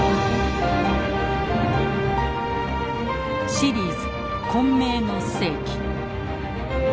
シリーズ「混迷の世紀」。